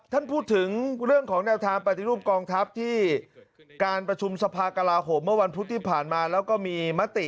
ท่านพูดถึงเรื่องของแนวทางปฏิรูปกองทัพที่การประชุมสภากลาโหมเมื่อวันพุธที่ผ่านมาแล้วก็มีมติ